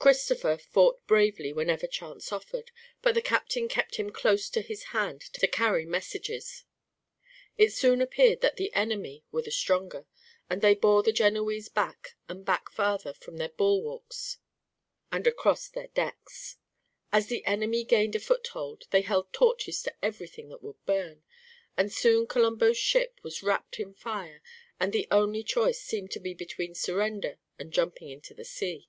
Christopher fought bravely whenever chance offered, but the captain kept him close to his hand to carry messages. It soon appeared that the enemy were the stronger, and they bore the Genoese back and back farther from their bulwarks and across their decks. As the enemy gained a foothold they held torches to everything that would burn, and soon Colombo's ship was wrapped in fire and the only choice seemed to be between surrender and jumping into the sea.